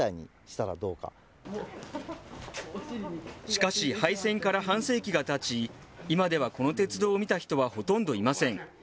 しかし、廃線から半世紀がたち、今ではこの鉄道を見た人はほとんどいません。